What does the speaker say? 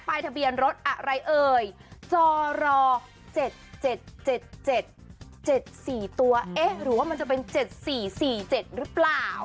ทะเบียนรถอะไรเอ่ยจอรอ๗๗๔ตัวเอ๊ะหรือว่ามันจะเป็น๗๔๔๗หรือเปล่า